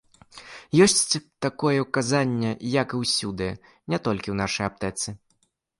Ёсць такое ўказанне, як і ўсюды, не толькі ў нашай аптэцы.